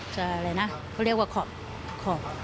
เขาเรียกว่าขอบ